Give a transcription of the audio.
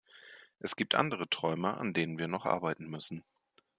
Es gibt andere Träume, an denen wir noch arbeiten müssen.